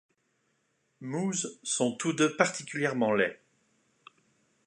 Moose sont tous deux particulièrement laids.